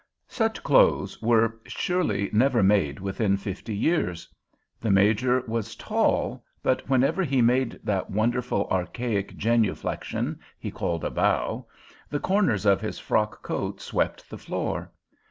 Such clothes were surely never made within fifty years. The Major was tall, but whenever he made that wonderful, archaic genuflexion he called a bow, the corners of his frock coat swept the floor.